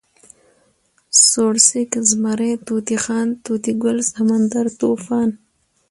سوړسک، زمری، طوطی خان، طوطي ګل، سمندر، طوفان